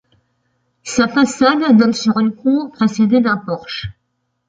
Sa façade donne sur une cour précédée d'un porche.